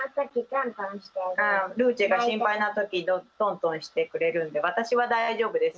ルーチェが心配な時トントンしてくれるんで私は大丈夫です。